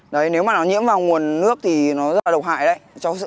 đấy nếu mà nó nhiễm vào nguồn nước thì nó rất là độc hại đấy